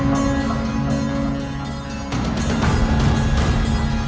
saya sudah mengambil sarang